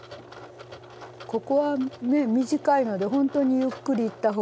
ここは短いのでほんとにゆっくりいった方が。